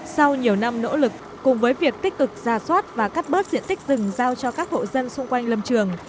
sau nhiều năm nỗ lực cùng với việc tích cực ra soát và cắt bớt diện tích rừng giao cho các hộ dân xung quanh lâm trường